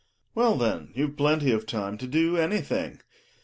Well, then you've plenty of time to do anything.